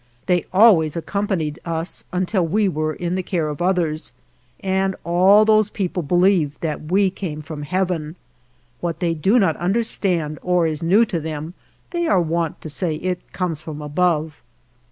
They always accompanied us until we were again in the care of others, and all those people believed that we came from Heaven. What they do not under stand or is new to them they are wont to say it comes from above.